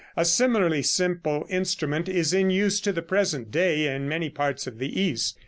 A similarly simple instrument is in use to the present day in many parts of the east.